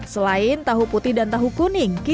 selain tahu putih dan tahu kuning